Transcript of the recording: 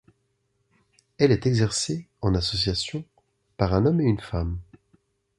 Elle est exercée, en association, par un homme et une femme.